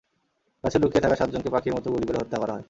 গাছে লুকিয়ে থাকা সাতজনকে পাখির মতো গুলি করে হত্যা করা হয়।